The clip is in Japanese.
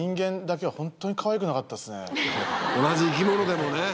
同じ生き物でもね。